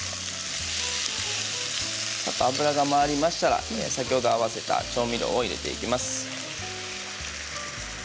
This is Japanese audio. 油が回りましたら、先ほど合わせた調味料を入れていきます。